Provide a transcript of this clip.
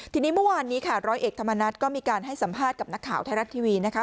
ทีนี้เมื่อวานนี้ค่ะร้อยเอกธรรมนัฐก็มีการให้สัมภาษณ์กับนักข่าวไทยรัฐทีวีนะคะ